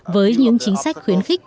với những chính sách khuyến khích